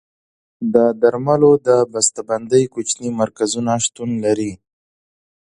د درملو د بسته بندۍ کوچني مرکزونه شتون لري.